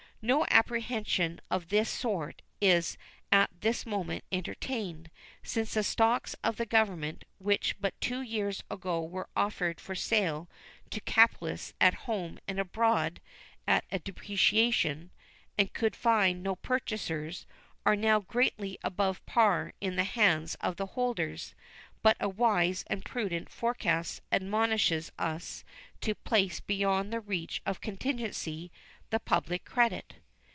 No apprehension of this sort is at this moment entertained, since the stocks of the Government, which but two years ago were offered for sale to capitalists at home and abroad at a depreciation, and could find no purchasers, are now greatly above par in the hands of the holders; but a wise and prudent forecast admonishes us to place beyond the reach of contingency the public credit.